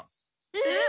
えっ？